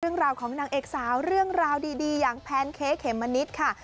เรื่องราวของนางเอกสาวเรื่องราวดีอย่างแพนเค้กเขมมะนิดค่ะ